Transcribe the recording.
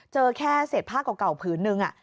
เจอแค่เศษผ้าเก่าผืนนึง